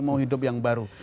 mau hidup yang baru